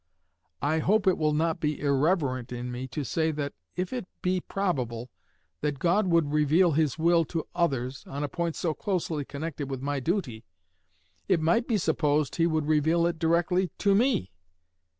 I hope it will not be irreverent in me to say that if it be probable that God would reveal His will to others, on a point so closely connected with my duty, it might be supposed he would reveal it directly to me....